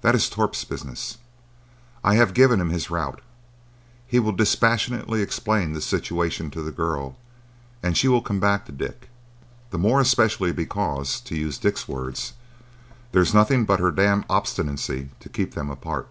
That is Torp's business. I have given him his route. He will dispassionately explain the situation to the girl, and she will come back to Dick,—the more especially because, to use Dick's words, "there is nothing but her damned obstinacy to keep them apart."